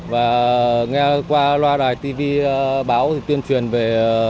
và nghe qua loa đài tv báo thì tuyên truyền về